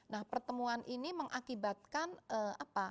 nah pertemuan ini mengakibatkan apa